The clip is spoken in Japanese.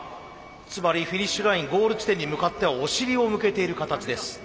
つまりフィニッシュラインゴール地点に向かってはお尻を向けている形です。